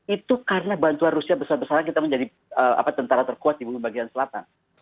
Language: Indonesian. itu karena bantuan rusia besar besaran kita menjadi tentara terkuat di bumi bagian selatan